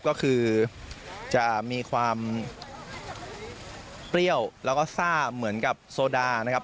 ก็คือจะมีความเปรี้ยวแล้วก็ซ่าเหมือนกับโซดานะครับ